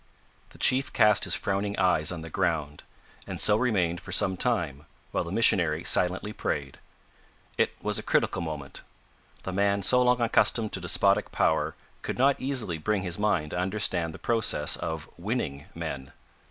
The chief cast his frowning eyes on the ground, and so remained for some time, while the missionary silently prayed. It was a critical moment. The man so long accustomed to despotic power could not easily bring his mind to understand the process of winning men.